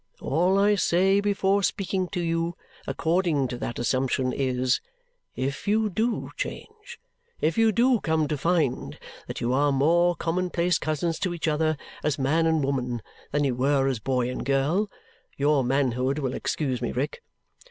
All I say before speaking to you according to that assumption is, if you DO change if you DO come to find that you are more commonplace cousins to each other as man and woman than you were as boy and girl (your manhood will excuse me, Rick!)